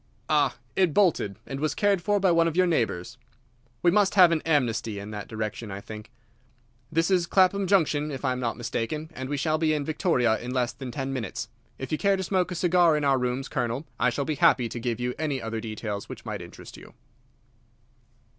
"Ah, it bolted, and was cared for by one of your neighbours. We must have an amnesty in that direction, I think. This is Clapham Junction, if I am not mistaken, and we shall be in Victoria in less than ten minutes. If you care to smoke a cigar in our rooms, Colonel, I shall be happy to give you any other details which might interest you."